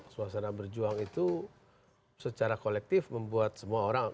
suasana berjuang itu secara kolektif membuat semua orang